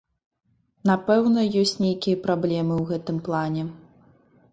Напэўна, ёсць нейкія праблемы ў гэтым плане.